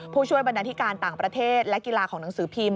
ผู้ช่วยบรรณาธิการต่างประเทศและกีฬาของหนังสือพิมพ